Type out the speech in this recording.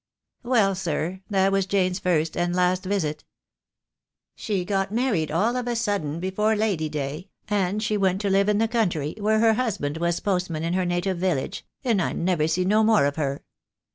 "Well, sir, that was Jane's first and last visit She got married all of a sudden before Lady day, and she went to live in the country, where her husband was post man in her native village, and I never see no more of her.